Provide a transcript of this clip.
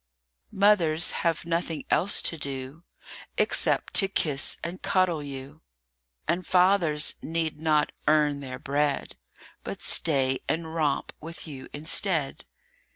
MOTHERS have nothing else to do Except to kiss and cuddle you; And fathers need not "earn their bread," But stay and romp with you instead.